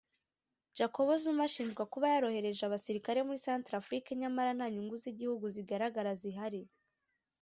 Jacob Zuma ashinjwa kuba yarohereje abasirikare muri Centrafrique nyamara nta nyungu z’igihugu zigaragara zihari